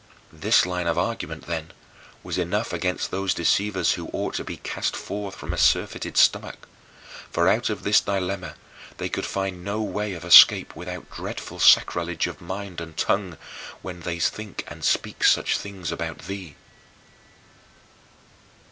This line of argument, then, was enough against those deceivers who ought to be cast forth from a surfeited stomach for out of this dilemma they could find no way of escape without dreadful sacrilege of mind and tongue, when they think and speak such things about thee.